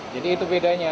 jadi itu bedanya